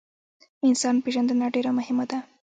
انسان پیژندنه ډیره مهمه ده